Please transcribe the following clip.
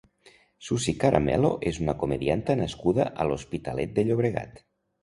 Susi Caramelo és una comedianta nascuda a l'Hospitalet de Llobregat.